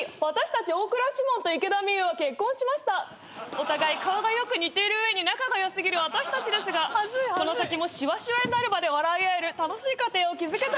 お互い顔がよく似ている上に仲が良過ぎる私たちですがこの先もしわしわになるまで笑い合える楽しい家庭を築けたらと思います。